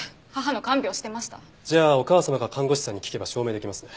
じゃあお母様か看護師さんに聞けば証明できますね？